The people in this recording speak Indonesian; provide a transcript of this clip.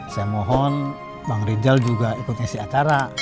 saya mohon bang rizal juga ikut ngisi acara